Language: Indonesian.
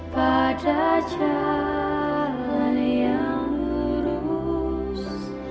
pada jalan yang lurus